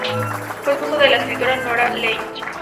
Fue esposo de la escritora Norah Lange.